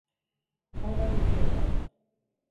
Onları içeri al.